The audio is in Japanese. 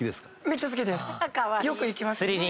よく行きます。